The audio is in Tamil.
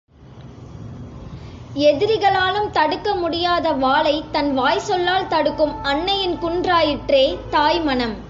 எதிரிகளாலும் தடுக்க முடியாத வாளை தன் வாய் சொல்லால் தடுக்கும் அன்னையின் குன்றா யிற்றே தாய் மனம்.